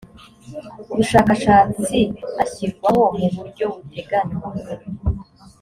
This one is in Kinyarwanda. ubushakashatsi ashyirwaho mu buryo buteganywa